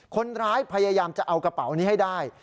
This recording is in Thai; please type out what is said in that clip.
คนร้ายพยายามจะเอากระเป๋านี้ให้ได้